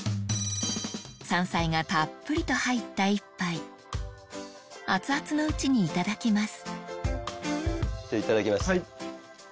山菜がたっぷりと入った一杯熱々のうちにいただきます